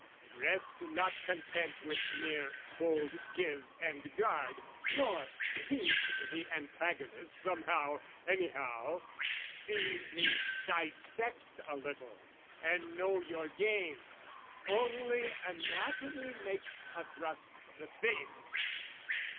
"Rest not content with mere bold give and guard, "Nor pink the antagonist somehow anyhow, "See me dissect a little, and know your game! "Only anatomy makes a thrust the thing."